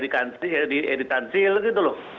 ke editansil gitu loh